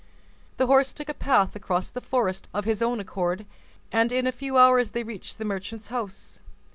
The horse took a path across the forest of his own accord, and in a few hours they reached the merchant's house.